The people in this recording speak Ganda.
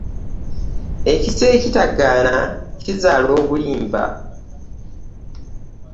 Ekisa ekitagana kizaala obulimba .